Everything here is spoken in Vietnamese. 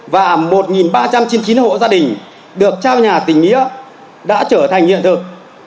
và một ba trăm chín mươi chín hộ gia đình được trao nhà tỉnh nghĩa đã trở thành hiện thực